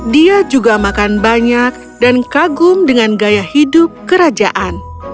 dia juga makan banyak dan kagum dengan gaya hidup kerajaan